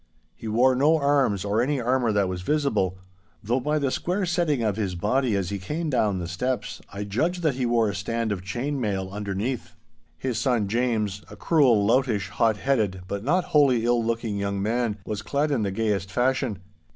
He wore no arms or any armour that was visible—though by the square setting of his body as he came down the steps I judged that he wore a stand of chain mail underneath. His son James, a cruel, loutish, hot headed, but not wholly ill looking young man, was clad in the gayest fashion.